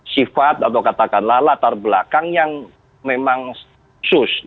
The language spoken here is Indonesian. sifat atau katakanlah latar belakang yang memang sus